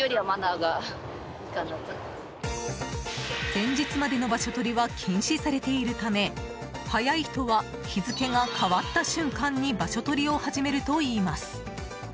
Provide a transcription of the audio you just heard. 前日までの場所取りは禁止されているため早い人は日付が変わった瞬間に場所取りを始めるといいます。